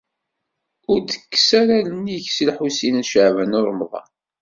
Ur d-tekkes ara allen-ik si Lḥusin n Caɛban u Ṛemḍan.